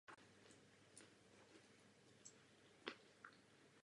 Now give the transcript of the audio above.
Nebylo jisté, zda se přejde na novou smlouvu.